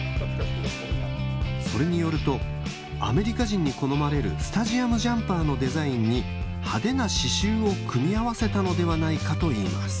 それによるとアメリカ人に好まれるスタジアムジャンパーのデザインに派手な刺しゅうを組み合わせたのではないかといいます。